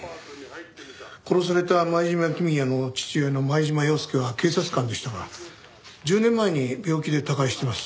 殺された前島公也の父親の前島洋輔は警察官でしたが１０年前に病気で他界してます。